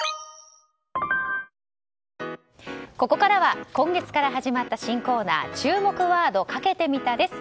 ここからは今月から始まった新コーナー注目ワードかけてみたです。